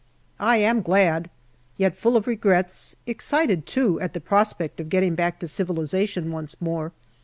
I am glad, yet full of regrets excited, too, at the prospect of getting back to civilization once more.